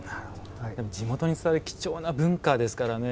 地元に伝わる貴重な文化ですからね。